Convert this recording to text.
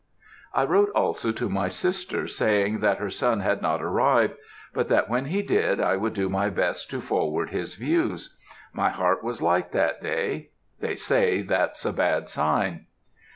I wrote also to my sister, saying, that her son had not arrived; but that when he did, I would do my best to forward his views. My heart was light that day they say that's a bad sign.